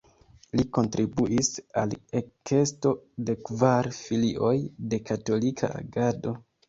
Li kontribuis al ekesto de kvar filioj de Katolika Agado.